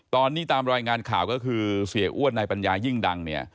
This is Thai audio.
ตอนนี้ตามรายงานข่าวก็คือเสียอ้วนนายปัญญายิ่งดังเนี่ย